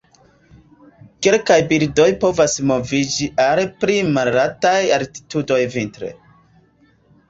Kelkaj birdoj povas moviĝi al pli malaltaj altitudoj vintre.